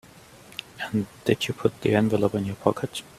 And did you put the envelope in your pocket?